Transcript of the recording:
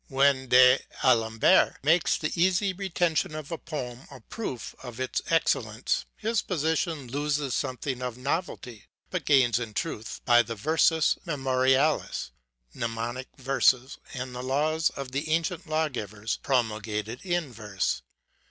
When D'Alembert makes the easy retention of a poem a proof of its excel lence, his position loses something of novelty, but gains in truth by the versus memoriales, mnemonic verses, and the laws of the ancient lawgivers promulgated in ,verse.